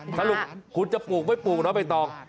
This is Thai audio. สรุปขุดจะปลูกไม่ปลูกนะบ่ายต่อ